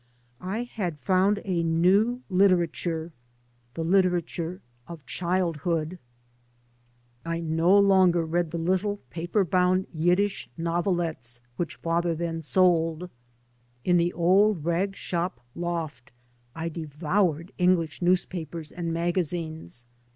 I had found a new literature, the literature of childhood. 3 by Google MY MOTHER AND I I no longer read the little paper bound Yiddish novelettes which father then sold. In the old rag shop loft I devoured English newspapers and magazines.